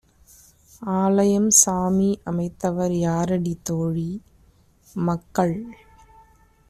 ஆலயம் சாமி அமைத்தவர் யாரடி? தோழி - மக்கள்